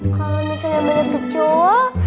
kalau misalnya banyak kecoa